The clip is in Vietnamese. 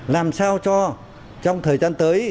làm sao cho trong thời gian tới